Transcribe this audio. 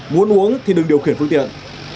muốn uống thì đừng điều khiển phương tiện